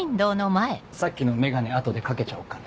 さっきの眼鏡後でかけちゃおうかな。